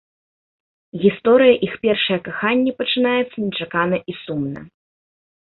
Гісторыя іх першае каханне пачынаецца нечакана і сумна.